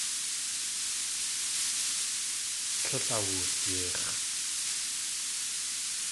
Tlél awulyeix̲.